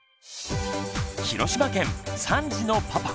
広島県３児のパパ